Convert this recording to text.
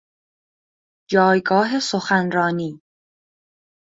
جایگاه سخنرانی